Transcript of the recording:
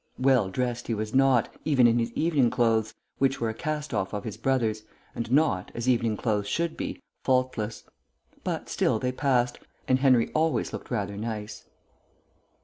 Well dressed he was not, even in his evening clothes, which were a cast off of his brother's, and not, as evening clothes should be, faultless; but still they passed, and Henry always looked rather nice.